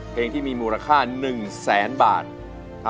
เพลงที่มีมูลค่า๑แสนบาท